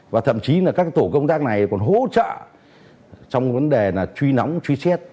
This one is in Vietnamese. và thậm chí là các tổ công tác này còn hỗ trợ trong vấn đề là truy nóng truy xét